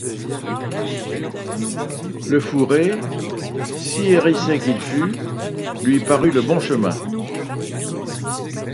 Le fourré, si hérissé qu'il fût, lui parut le bon chemin.